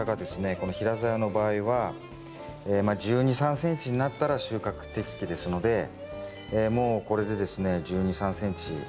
この平ざやの場合は１２１３ｃｍになったら収穫適期ですのでもうこれでですね１２１３ｃｍありますね。